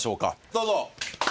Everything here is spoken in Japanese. どうぞ。